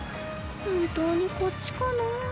本当にこっちかなぁ？